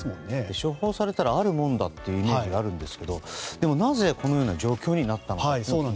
処方されたらあるものだというイメージがあるんですがなぜ、このような状況になったんでしょうか。